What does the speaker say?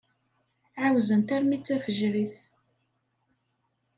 Ɛawzent armi d tafejrit.